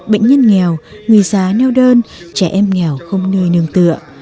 bệnh nhân nghèo người già neo đơn trẻ em nghèo không nơi nương tựa